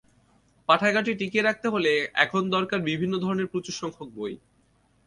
পাঠাগারটি টিকিয়ে রাখতে হলে এখন দরকার বিভিন্ন ধরনের প্রচুর সংখ্যক বই।